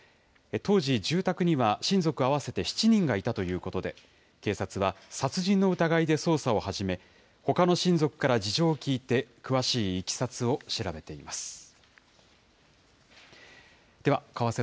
当時、住宅には親族合わせて７人がいたということで、警察は殺人の疑いで捜査を始め、ほかの親族から事情を聴いて詳しいいきさつを調べています。